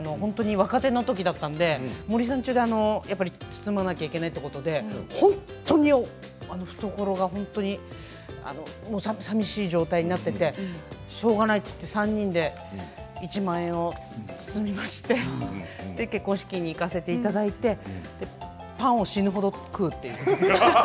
若手のときだったので森三中で包まなきゃいけないということで本当に懐がさみしい状態になっていてしょうがないと言って、３人で１万円を包みまして結婚式に行かせていただいてパンを死ぬほど食うという。